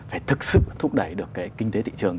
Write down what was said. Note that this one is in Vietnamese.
phải thực sự thúc đẩy được cái kinh tế thị trường